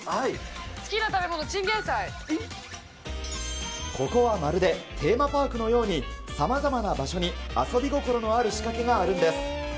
好きな食べ物、ここはまるで、テーマパークのように、さまざまな場所に、遊び心のある仕掛けがあるんです。